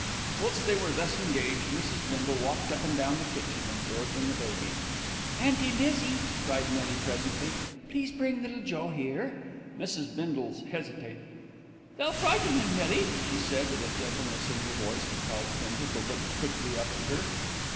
Whilst they were thus engaged, Mrs. Bindle walked up and down the kitchen, absorbed in the baby. "Auntie Lizzie," cried Millie presently, "please bring Little Joe here." Mrs. Bindle hesitated. "They'll frighten him, Millie," she said, with a gentleness in her voice that caused Bindle to look quickly up at her.